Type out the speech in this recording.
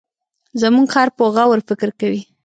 زموږ خر په غور فکر کوي.